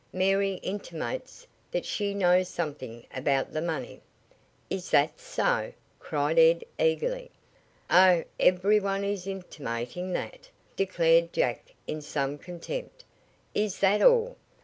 "Mary intimates that she knows something about the money." "Is that so?" cried Ed eagerly. "Oh, every one is intimating that," declared Jack in some contempt. "Is that all?